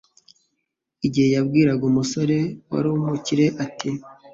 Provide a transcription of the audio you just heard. igihe yabwiraga umusore wari umukire ati